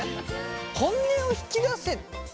本音を引き出せた？